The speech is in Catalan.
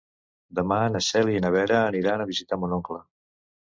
Demà na Cèlia i na Vera aniran a visitar mon oncle.